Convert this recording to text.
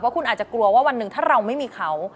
คุณอาจจะกลัวว่าวันหนึ่งถ้าเราไม่มีเขา